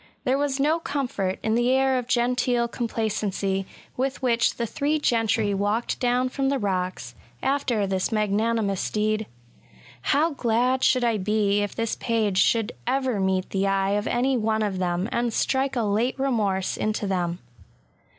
There was no comfort in the air of genteel complacency with which the three gentry walked down from the 182 BgSATS. rocks, after this magnanimous deed. How glad should I be if this page should ever meet the eye of any one of them, and strike a late remorse into them!